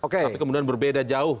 tapi kemudian berbeda jauh